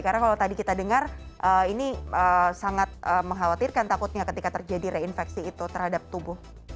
karena kalau tadi kita dengar ini sangat mengkhawatirkan takutnya ketika terjadi reinfeksi itu terhadap tubuh